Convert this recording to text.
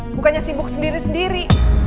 bukannya sibuk sendiri sendiri